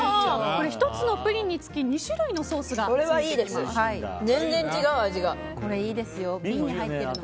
１つのプリンにつき２種類のソースがついてくる。